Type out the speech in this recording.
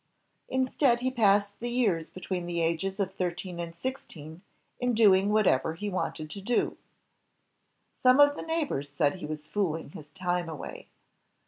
Instead, he passed the years between the ages of thirteen and sixteen in doing whatever he wanted to do. Some of the neighbors said he was fooling his time away.